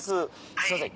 すいません